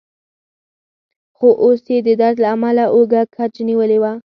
خو اوس يې د درد له امله اوږه کج نیولې وه.